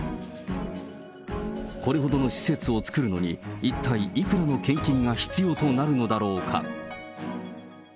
これほどの施設を作るのに、一体いくらの献金が必要となるのだろうか。